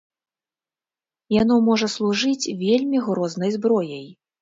Яно можа служыць вельмі грознай зброяй.